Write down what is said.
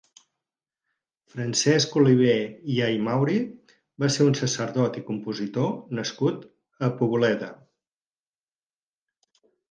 Francesc Oliver i Aymauri va ser un sacerdot i compositor nascut a Poboleda.